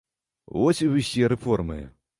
Вось і ўсе рэформы!